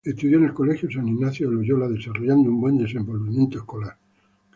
Estudió en el Colegio San Ignacio de Loyola, desarrollando un buen desenvolvimiento escolar.